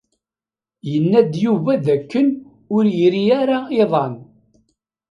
Yenna-d Yuba dakken ur iri ara iḍan.